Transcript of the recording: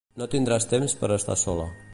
No tindràs temps per a estar sola.